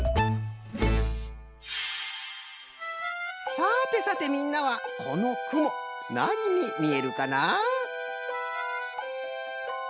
さてさてみんなはこのくもなににみえるかな？